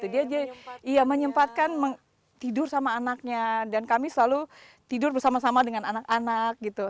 dia menyempatkan tidur sama anaknya dan kami selalu tidur bersama sama dengan anak anak gitu